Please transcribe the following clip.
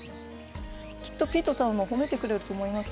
きっとピートさんも褒めてくれると思います